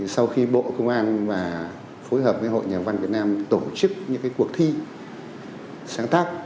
sau khi bộ công an và phối hợp với hội nhà văn việt nam tổ chức những cuộc thi sáng tác